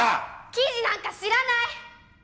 記事なんか知らない！